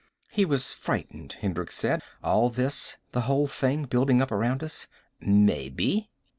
"He was frightened," Hendricks said. "All this, the whole thing, building up around us." "Maybe."